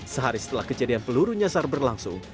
sehari setelah kejadian peluru nyasar berlangsung